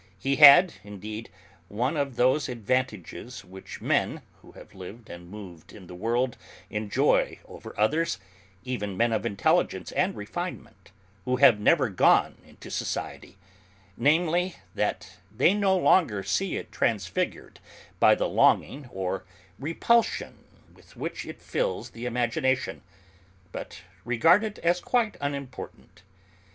He had, indeed, one of those advantages which men who have lived and moved in the world enjoy over others, even men of intelligence and refinement, who have never gone into society, namely that they no longer see it transfigured by the longing or repulsion with which it fills the imagination, but regard it as quite unimportant.